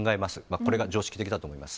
これが常識的だと思います。